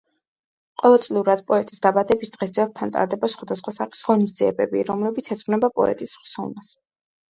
ყოველწლიურად პოეტის დაბადების დღეს ძეგლთან ტარდება სხვადასხვა სახის ღონისძიებები, რომლებიც ეძღვნება პოეტის ხსოვნას.